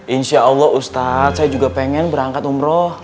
insyaallah ustad saya juga pengen berangkat umroh